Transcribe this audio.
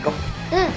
うん。